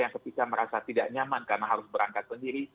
yang ketika merasa tidak nyaman karena harus berangkat sendiri